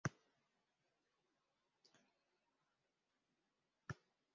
Elikatzea dietaren araberakoa da, haragijalea, belarjalea edo orojalea.